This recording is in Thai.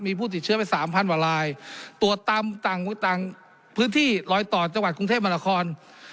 มีผู้ติดเชื้อไป๓๐๐๐วลายตรวจต่างพื้นที่รอยต่อจังหวัดกรุงเทพมรคร